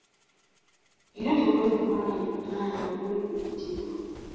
Era tewaali muwala yenna yamuli ku mutima.